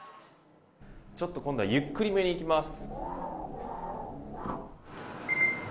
ちょっと今度はゆっくりめにいきます。